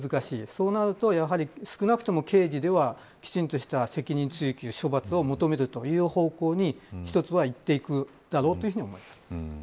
そうなると少なくとも刑事ではきちんとした責任追及や処罰を求めるという方向に一つはいっていくだろうと思います。